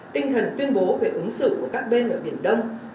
tinh thần tuyên bố về ứng xử của các bên ở biển đông